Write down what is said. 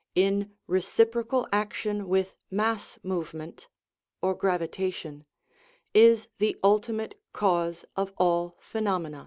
in reciprocal action with mass movement (or gravita tion), is the ultimate cause of all phenomena.